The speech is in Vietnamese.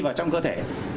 vào trong cơ thể